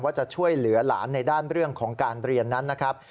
จะช่วยเหลือหลานในด้านเรื่องของการเรียนนั้นนะครับ